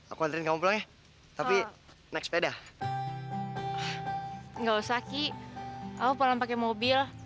aku anterin kamu pulang tapi next beda nggak usah ki aku pulang pakai mobil